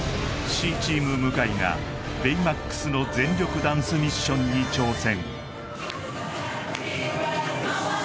Ｃチーム向井がベイマックスの全力ダンスミッションに挑戦